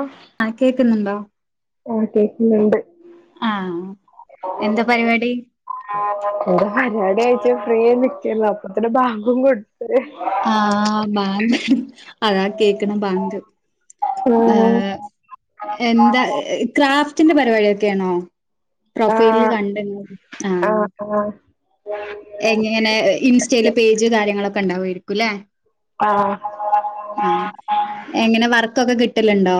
ആഹ് ആ കേക്കുന്നുണ്ടോ ഓ കേക്കുന്നുണ്ട് ആ ഇട പരുപാടി ആയ്‌ ഫ്രീ നിക്കയിരുന്നു അപ്പോത്തിനു ബാങ്കും കൊടുത്ത് ആ ബാങ്ക് അതാ കേക്ക്‌ണ് ബാങ്ക് ഏ ആഹ് എന്താ ക്രാഫറ്റ് ന്റെ പരിപാടിയൊക്കെ ആണോ പ്രൊഫൈലിൽ ആഹ് കണ്ട ആഹ ആഹ് ആഹ് എങ്ങനെ ഇൻസ്റ്റയില് പേജ് കാര്യങ്ങളൊക്കെ ഉണ്ടാക്കാരയ്ക്കും അല്ലേ ആഹ ആ എങ്ങനെ വർക്ക് ഒക്കെ കിട്ടലുണ്ടോ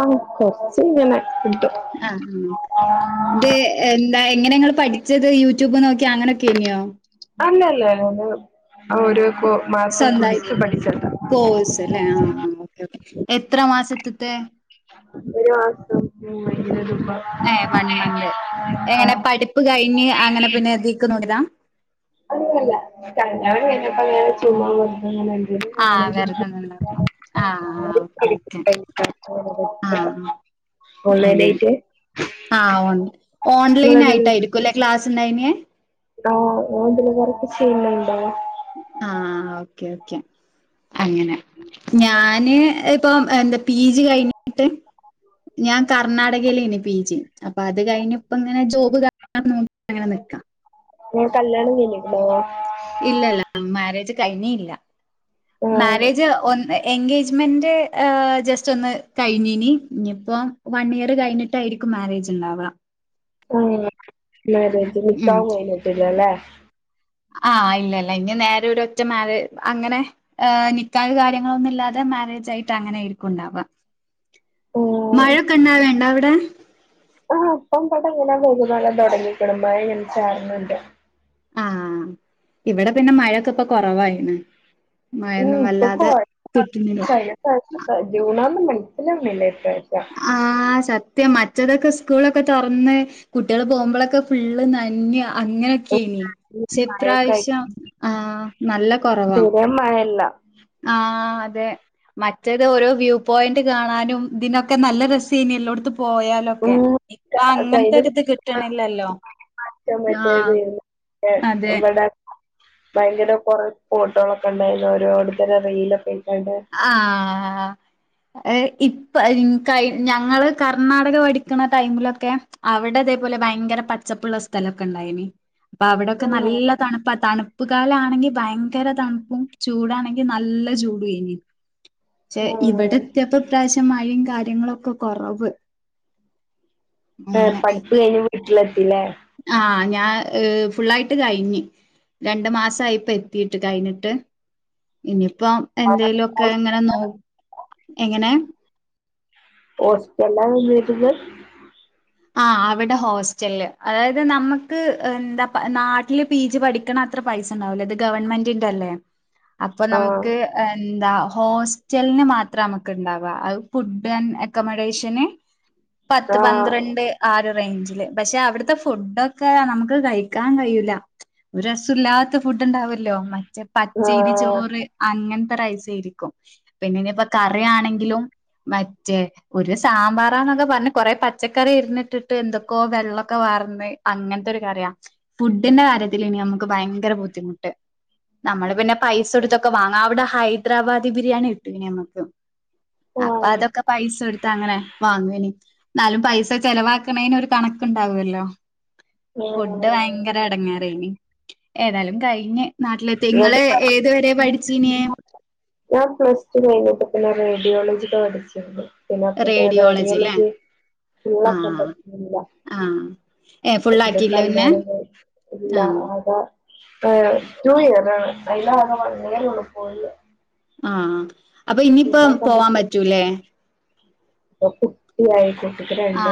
ആഹ് കൊറച്ച് ഇങ്ങനെ കിട്ടും ആ ആ ത് എന്താ എങ്ങന ഇങ്ങള് പഠിച്ചത് യൂ ടൂബ് നോക്കി അങ്ങനൊക്കെ തന്നെയോ അല്ലല്ല അത് ഒരു കോ മാസം സ്വന്തയി ഫുൾസ് പഠിച്ചതാ കോഴ്സ് അല്ലേ ആ ആ ഒക്കെ ഒക്കെ എത്ര മാസത്തി ത്തെ ഒരു മാസം ഏ വൺ മന്ത് എങ്ങനെ പഠിപ്പ് കഴിഞ്ഞ് അങ്ങനെ പിന്നെ എതിക്കുന്നുടതാ അല്ലല്ല കല്യാണം കഴിഞ്ഞപ്പോൾ ഇങ്ങനെ ചുമ്മാ പോ ആ വെറുതെ നിന്നപ്പോൾ ആ ആ ഒക്കെ ഒക്കെ ആ അ ഓൺലൈൻ അങ്ങനെ ആയിട്ട് ആ ഓൺലൈ ഓൺലൈൻ നിങ്ങളെന്തേലും ആയിട്ട് ആയിരിക്കും അല്ലേ ക്ലാസ് സ് ഉണ്ടായിന് ആഹ ഓൻ എന്തേലും വർക്ക് ചെയ്യുന്നുണ്ടാവും ആഹ ഓക്കെ ഓക്കെ അങ്ങനെ ഞാന് ഇപ്പം എന്താ പീ ജി കഴിഞ്ഞിട്ട് ഞാൻ കർണാടകയിന് പീ ജി അപ്പൊ അത് കഴിഞ്ഞ ഇപ്പ ഇങ്ങനെ ജോബ് ക നോ അങ്ങനെ നിക്കാ ഹലോ ഇല്ലല്ല മാരേജ് കഴിഞ്ഞ ഇല്ല ആഹ് മാരേജ് ഒന്ന് എൻഗേജ്മെന്റ് ജസ്റ്റ് ഒന്ന് കഴിഞ്ഞിന് ഇനിയിപ്പം വൺ ഇയർ കഴിഞ്ഞിട്ടായിരിക്കും മാരേജ് ഉണ്ടാവാം ഓ മാര്യേജ് ഉം നിക്കാഹ് കഴിഞ്ഞിട്ടില്ലലേ ആഹ് ഇല്ല ഇല്ല ഇനി നേരെ ഒരു ഒറ്റ മാരേജ് അങ്ങനെ നിക്കാഹ് കാര്യങ്ങളൊന്നും ഇല്ലാതെ മാരേജായിട്ട് അങ്ങനെ ആയിരിക്കുംണ്ടാവ ഉം മഴ കെണ്ടണാ വേണ്ട അവിടെ അ ആ ഇപ്പംഇടെ എങ്ങനെ പെരുമഴ തുടങ്ങിക്കണ് മഴ ഇങ്ങനെ ചാറണുണ്ട് ആഹ ഇവിടെ പിന്നെ മഴൊക്കെ ഇപ്പൊ കുറവായിന്ന് [unintelligible] അ മനസ്സിലാവുന്നില്ലേ ആ സത്യ മറ്റ പച്ചതൊക്കെ സ്കൂളൊക്കെ തുറന്ന് കുട്ടികൾ പോകുമ്പോഴൊക്കെ ഫുള്ള് നന്യ അങ്ങനെയൊക്കെയനി മഴൊക്കെ ആയി പക്ഷേഇപ്രാവശ്യം ആ നല്ല കുറവാ തീരെ മഴല്ല ആ തെ മറ്റേത് ഓരോ വ്യൂ പോയിന്റ് കാണാനും ഇതിനൊ ക്കെ നല്ല രസേനി എല്ലോടുത്തും പോയാലൊക്കെ ഉം ഇപ്പൊ കഴിഞ്ഞ അങ്ങനത്തെരിത് കിട്ടണില്ലല്ലോ. ആഹ് ന്നെ അതെ. ഇവിട ഭയങ്കര കൊറ ഫോട്ടോകളൊക്കെ ഉണ്ടായിരുന്നു ഓരോരുത്തരെ റീലോക്കെ ആ ആ ഏ ഇപ്പ ക ഞങ്ങള് കർണാടക പഠിക്കുണ ടൈമിലൊക്കെ അവിടെ അതേപോലെ ഭയങ്കര പച്ചപ്പുള്ള സ്ഥലൊക്കെ ഉണ്ടായിന്. അപ്പൊ അവിടെക്കെ ആഹ് നല്ല തണുപ്പ. തണു പ്പുകാലാണെങ്കി ഭയങ്കര തണുപ്പും ചൂടാണെങ്കി നല്ല ചൂട് എനി പക്ഷെ ആഹ് ഇവിടെത്തിപ്പോ ഇപ്രാവശ്യം മഴയും കാര്യങ്ങളും ഒക്കെ കുറവ്. ആ പഠിപ്പ് കഴിഞ്ഞി ട്ടിലെ ഇല്ലേ. ഞ ഫുള്ളായിട്ട് കഴിഞ്ഞ്. രണ്ട് മാസയിപ്പോ എത്തിട്ട് കഴിഞ്ഞിട്ട് ഇനി ഇപ്പ എന്തെലു ഒക്കെ ഇങ്ങനെ നോ എങ്ങനെ ഹോസ്പിറ്റലില നിന്നെക്കുന്നെ ആ അവിടെ ഹോസ്റ്റല് അതായത് നമ്മുക്ക് എന്താ നാട്ടില് പി ജി പഠിക്കണ അത്ര പൈസ ഉണ്ടാവൂല. ഇത് ഗവൺമെന്റിന്റെല്ലേ. അപ്പൊ ആഹ് നമുക്ക് എന്താ ഹോസ്റ്റലിന് മാത്രനമുക്കുണ്ടവുക. അത് ഫുഡ് ആൻഡ് അക്കോമഡേഷന് പത്ത് ആഹ് പന്ത്രണ്ട് ആ ഒരു റേഞ്ചില് പക്ഷെ അവിടുത്തെ ഫുഡൊക്കെ നമുക്ക് കഴിക്കാൻ കഴിയൂല ഒരു രസല്ലാത്ത ഫുഡ് ഉണ്ടാവല്ലോ മ പച്ചരി ചോറ് അങ്ങനെ രിക്കും പിന്നെ ഇനിപ്പോ കറി ആണെങ്കിലും മറ്റേ ഒരു സാമ്പാറാന്നൊക്കെ പറഞ്ഞ കൊറേ പച്ചക്ക റി ഇരുന്നിട്ടിട്ട് എന്തൊക്കോ വെള്ളൊക്കെ വാർന്ന് അങ്ങനത്തെ ഒരു കറിയാ. ഫുഡിന്റെ കാര്യത്തി ഇനി നമുക്ക് ഭയങ്കര ബുദ്ധിമുട്ട്. നമ്മള് പിന്നെ പൈസ എടുത്തൊക്കെ വാങ്ങാം. അവിടെ ഹൈദരാബാദ് ദി ബിരിയാണി കിട്ടു. ഇനി നമുക്ക് അപ്പൊ ആഹ് അതൊക്കെ പൈസ എടുത്ത് അങ്ങനെ വാങ്ങല്. നാലും പൈസ ചെലവാക്കണന് ഒരു കണക്കുണ്ടാവുല്ലോ. ഫുഡ് ഭയങ്കര എടങ്ങാറായിനി. ഏതാലും കഴിഞ്ഞ്. നാട്ടിലെത്തി ങ്ങള് ഏതു വരെ പഠിച്ചീനെ ഞാൻ പ്ലസ് ടു കഴിഞ്ഞിട്ട് പിന്നെ റേഡിയോളജിക്ക് പഠിച്ചിരുന്നു. പിന്നെ അപ്പത്തെ റേഡിയോളജി ആഹ് [unintelligible] ആഹ് ഏഹ് അപത്തേക്ക് ഫുള്ളാക്കിയില്ല പിന്നെ കല്യാണം എല്ലാം ആഹ് ആക ടു ഇയർ ആണ് അല്ല അതെ അതില് ആകെ വൺ ഇയർ പോയുള്ളു ആ അപ്പൊ ഇനിയിപ്പോ പോവാൻ പറ്റൂല്ലേ അ കുട്ടി ആയിട്ടേ ആ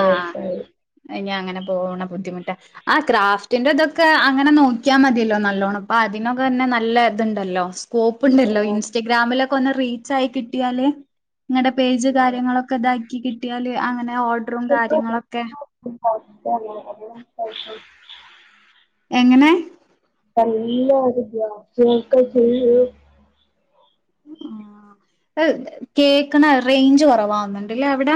ഇനി അങ്ങനെ പോണ ബുദ്ധിമു ട്ട് ആ ക്രാഫ്റ്റിന്റെ ഇതൊക്കെ അങ്ങനെ നോക്കിയാൽ മതിയല്ലോ നല്ലോണ്ണം അപ്പൊ അതിനൊക്കെ തന്നെ നല്ല ഇതുണ്ടല്ലോ സ് കോപ്പ് ഉണ്ടല്ലോ ആഹ് ഇൻസ്റ്റഗ്രാമിലൊ ക്കൊന്ന് റീച്ച് ആയി കിട്ടിയാല് നിങ്ങളടെ പേജ് കാര്യങ്ങളൊക്കെ ഇതാക്കി കിട്ടിയാല് അങ്ങനെ ഓ ഡ്റും കാര്യങ്ങളൊക്കെ എല്ലാവരും [inaudible] എങ്ങനെ നല്ല ഒരു ഗ്രാഫ്റ്റ് വർക്ക് [unintelligible] ആ കേക്കണ റേഞ്ച് കൊറവാന്നണ്ടല്ലേ അവിട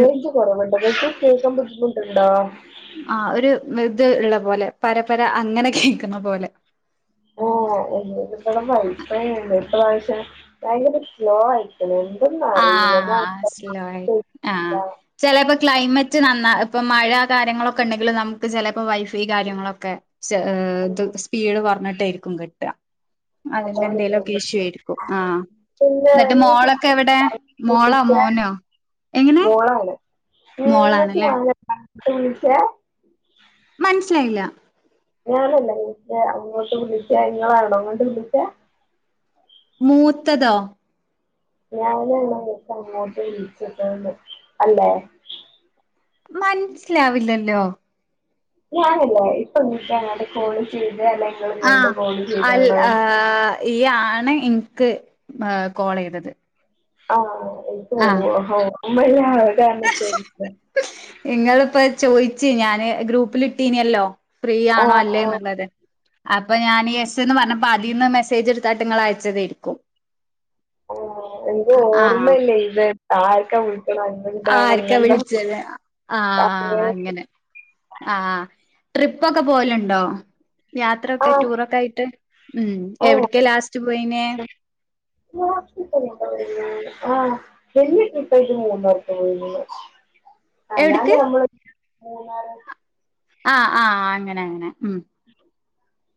റേഞ്ച് കുറവുണ്ട് കേൾക്കാൻ ബുദ്ധിമു ട്ടുണ്ടോ ആ ഒരു ഇത് ഉള്ള പോലെ പരപ്പര അങ്ങനെ കേൾക്കുന്ന പോലെ ഓ [unintelligible] ഇവിടെ വൈഫൈ ഉണ്ട് ഇപ്രാവശ്യ ഭയങ്കര സ്ലോ ആയിട്ടാണ് ആ സ്ലോ ആയി ആ ചിലത് ക്ലൈമറ്റ് നന്ന ഇപ്പൊ മഴ കാര്യങ്ങളൊക്കെ ഉണ്ടെങ്കിലും നമുക്ക് ചിലപ്പോ വൈഫൈ കാര്യങ്ങളൊക്കെ ഇത് സ്പീഡ് പറഞ്ഞിട്ടായിരിക്കും കിട്ടാ അതിന്റെ അതാണ് എന്തെലുമൊക്കെ തോന്നുന്നത് ഇഷ്യൂ ആയിരിക്കും ആ പിന്നെ എന്നിട്ട് നിങ്ങൾക്ക് മോള് എവിടെ മോളാ വിളിച്ച മോനോ എങ്ങനെ മോളാണല്ലേ [unintelligible] വിളിച്ച മനസിലായില്ല ഞനല്ലേ അങ്ങോട്ട് വിളിച്ചാ ഇങ്ങളാണോ ഇങ്ങോട്ട് വിളിച്ചാ മൂത്തതോ ഞാനന്നെ ങ്ങക്ക് അങ്ങോട്ട് വിളിച്ചിട്ട അല്ലേ മൻസിലാവില്ലല്ലോ ഞാനല്ലേ ഇപ്പൊ ഇങ്ങൾക്ക് അങ്ങട്ട് കോൾ ചെയ് ആ അ ആ ഇയ്യാ ണ് ഇന്ക്ക് കോൾ ചെയ്തത് ആ [unintelligible] ഇനിക്ക് ഓർമല്ല ആ അതാണ് [unintelligible] ഇങ്ങളിപ്പോ ചോയിച്ച് ഞാന് ഗ്രൂപ്പിലിട്ടീനല്ലോ ഫ്രീ ആണോ ആഹ് അല്ലേ ആഹ് എന്നുള്ളത് അപ്പൊ ഞാന് ന്ന് പറഞ്ഞപ്പോ അതിന്ന് മെസേജ്ട്ത് താട്ട ങ്ങൾ അയച്ചതയിരിക്കും ഒ ഒരോർമ്മല്ല ഇത ആർക്കാണ് ആർക്കാ വിളിച്ചത് ആ അങ്ങനെ ആ ട്രിപ്പൊക്കെ പോവലുണ്ടോ യാത്രൊക്കെ ആഹ് ടൂറൊക്കെയിട്ട് ഉം ആഹ് എവിട്ക്കാ ലാസ്റ്റ് പോയിനെ ആ എ ട്രിപ്പായിട്ട മന്നാർത്ത പോയി നി [unintelligible] അല്ല എവിട്ക്ക് ഞമ്മള് മൂന്നാർക്ക് ആ ആ അങ്ങനെ ങ്ങനെ ഉം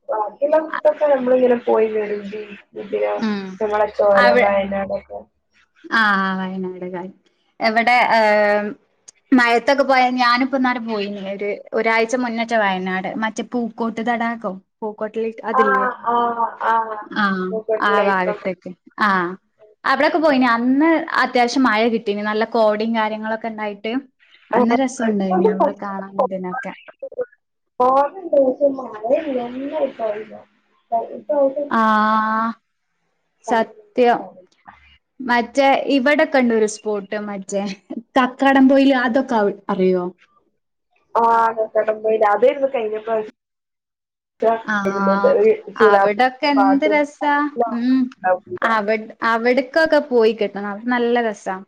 ബാക്കി ഞമ്മള്ങ്ങനെ ഇങ്ങനെ പോയിവരും ചെയ്യും ഇതി ഉം നമ്മളെ ചൊരം വയനാടൊക്കെ ആ വയനാട്കാര് എവിടെ ഏ മഴത്തൊക്കെ പോയാ ഞാനും പ്പന്നാരെ പോയിനിം ഒരു ഒ മ മുന്നറ്റെ വയനാട് മറ്റേ പൂക്കോട്ട് തടാകോ പൂക്കോട്ടലിക്ക് അതില്യേ ആഹ് ആഹ് ആഹ് ആ പൂക്കോട്ട് ലൈക്കൊക്കെ ആഭാഗത്തായിറ്റ് ആ അവിടെ പോയിനിം അന്ന് അത്യാവശ്യം മഴ കിട്ടീന് നല്ല കോട കാര്യങ്ങളൊക്കെണ്ടായിട്ട് അന്ന് രസണ്ടായിനൊവിടെ കാണാനുതിനൊക്കെ അ നിഞ പററല്ല [inaudible] ആ കണ്ടില്ല സത്യം മ മറ്റേ ഇവിടെക്കെണ്ട ഒരു സ്പോട്ട് മറ്റേ കക്കാടം പോയില്ല അതൊക്കെ അറിയുവോ ആഹ കക്കാട് പോയില്ല അതെ ആയിരുന്നു കഴിഞ്ഞ പ്രവേശം ആഹ ചിറാപ്പു അവിടൊക്കെ എന്ത് പാട്ടും രസ ഉ അവിടെ [unintelligible] പോയി നല്ല രസം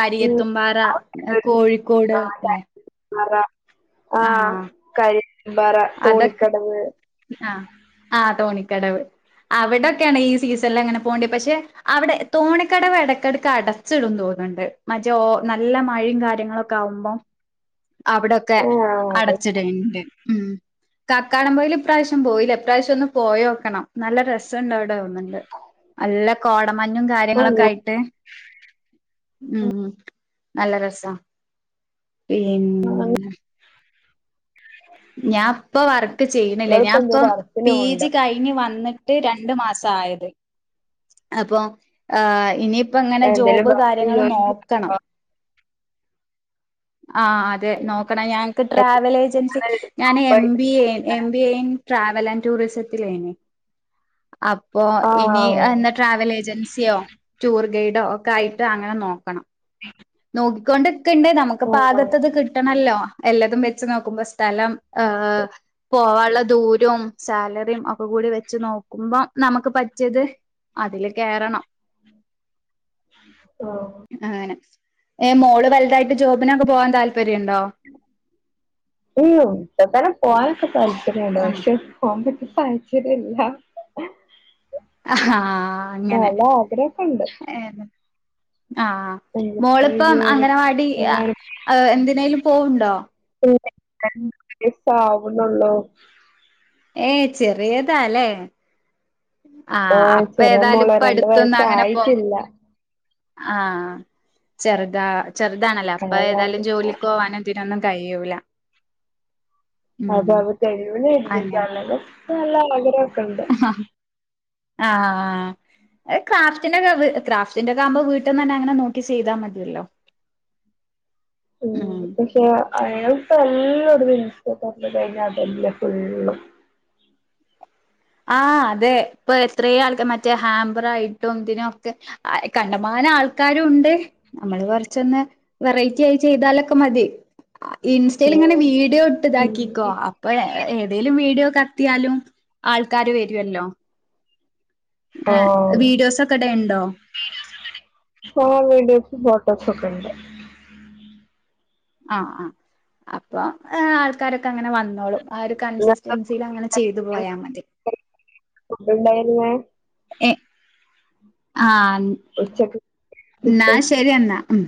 കരിയത്തും പാറ കോഴിക്കോട് ഇല്ലേ അതെ ആഹ ആഹ് കഴുത്തു പറ തോണിക്കടവ് [inaudible] ആ തോണിക്കടവ് അവിടെക്കെയാണ് ഈ സീസണില് അങ്ങനെ പോകേണ്ട പക്ഷെ അവിടെ തോണിക്കടവ് ഇടക്കിടക്ക് അടച്ചിട എന്ന് തോന്നുന്നുണ്ട് മറ്റേ നല്ല മഴയും കാര്യങ്ങളൊക്കെ ആകുമ്പോ അവിടെ ഒക്കെ ആഹ് അതെ അടച്ചിടും ഉം കക്കാടൻ പോഴി ൽ ഇപ്രാവശ്യം പോയില്ല ഇപ്രാവശ്യം ഒന്ന് പോയി നോക്കണം നല്ല രസം ഉണ്ട് അവിടെ നല്ല കോടമഞ്ഞും കാര്യങ്ങളൊക്കെ കുട്ടികളിപ്പോ ആയിട്ട് ഉം നല്ല രസം പിന്നെ ഞാനിപ്പോ വർക്ക് ചെയ്യണില്ല എന്തോ ഞാനിപ്പോ വർക്കിന് പി പോണ്ട് ജി കഴിഞ്ഞു വന്നിട്ട് രണ്ടു മാസം ആയത് അപ്പൊ ഇനി ഇപ്പ അങ്ങനെ എന്തേലും ജോബ് വർക്ക് കാര്യങ്ങള് ജോയിൻ ചെയ്യ നോക്കണം ആ അതെ നോക്കണ ഞങ്ങക്ക് ട്രാവൽ ഏജൻസി ഞാൻ M B M B Ain travel and ടൂറിസത്തിലേനെ അപ്പോ ഇനി ആഹ് ട്രാവൽ ഏജൻസിയോ ടൂർ ഗൈഡ് ഒക്കെ ആയിട്ട് അങ്ങനെ നോക്കണം നോക്കിക്കൊണ്ട് ഉണ്ട് നമുക്ക് ആഹ് ആഹ് പാകത്തിന് ആണല്ലോ എല്ലാതും വെച്ച് നോക്കുമ്പോ സ്ഥലം ഏ പോവാനുള്ള ദൂരവും സാലറിയും ഒക്കെ കൂടി വെച്ച് നോക്കുമ്പോ നമുക്ക് പറ്റിയത് അതില് കയറണം ആഹ ഏ മോള് വലുതായിട്ട് ജോബിനൊക്കെ പോവാൻ താല്പര്യമുണ്ടോ പോ [unintelligible] സ്ല്പയ അഷെ കോമ്പിറ്റീഫ് ആയി് ശരിയല്ല ആഹ ആ നല്ല ആഗ്രഹക്കുണ്ട് ആ മോളിപ്പം ജോലിക്ക് അംഗനവാടി പോവാന് എന്തിനേലും പോണിണ്ടോ രണ്ട് വയസ്സ് ആവുന്നേള്ളു ഏയ് ചെറിയതാല്ലേ ആഹ് ആഹ അപ്പ ചെറിയ ഏതായാലും മോളാ ഇപ്പ രണ്ട് വയസ്സ് ആയിട്ടില്ല ആ ചെറുതാ ചെറുതാണേല്ല അപ്പ അതാണ് ഏതായാലും ജോലിക്ക് പോകാനും തിന്നൊന്നും കയ്യൂല അത [unintelligible] ക്ക് നല്ല ആഗ്രഹം ആഹ ആഹ് ക്രാഫ്റ്റിന്റെ ഒക്കെ ക്രാഫ്റ്റിന്റെ ഒക്കെ ആവുമ്പോ വീട്ടന്ന് തന്നെ അങ്ങനെ നോക്കി ചെയ്താ മതിയല്ലോ ഉം പക്ഷേ അയാൾക്കെല്ലാ [unintelligible] കഴിഞ്ഞ അതല്ല ഫുള്ള് ആ അതെ ഇപ്പൊ എത്രയാൾക്കാ മറ്റേ ഹാമ്പർ ആയിട്ടും പിന്നെ ഒക്കെ കണ്ടമാനം ആൾക്കാരുമിണ്ട് നമ്മള് കൊറച്ചൊന്ന് വെറൈറ്റി ആയി ചെയ്താലൊക്കെ മതി ആ ഇൻസ്റ്റയിൽ ഉം ഇങ്ങനെ വീഡിയോ ഇട്ട് ഇതാക്കിക്കോ ഉം അപ്പൊ ഏതേലും വീഡിയോക്കെ ക ത്തിയാലും ആൾക്കാര് വരുവല്ലോ ആ വീഡിയോസ് ഒക്കെ ഇടല്ണ്ടൊ ആ വീഡിയോസ് ഫോട്ടോ പോസ്റ്റൊക്കെ ഇണ്ട് ആ ആ അപ്പൊ എ ആൾക്കാരൊക്കെ അങ്ങനെ വന്നോളും ആ ഒരു ഇന്നെന്താ കൺസസ്റ്റൻസിലങ്ങനെ ചെയ്തു പോയാ മതി ഫുഡ് ഉണ്ടായിരുന്നേ എ ആ ഉം ഉച്ചക്ക് ന്നാ ഫുഡ് ശരിയെന്നാ ഉം.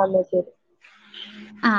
ആണൊ ശരി ആ